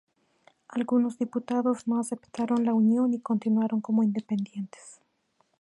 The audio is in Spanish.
Algunos diputados no aceptaron la unión y continuaron como independientes.